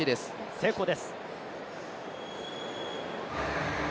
成功です。